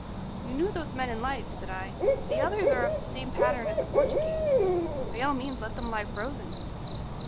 "You knew those men in life," said I. "If the others are of the same pattern as the Portuguese, by all means let them lie frozen."